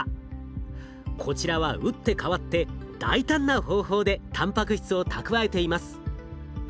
こちらは打って変わって大胆な方法でたんぱく質を蓄えています。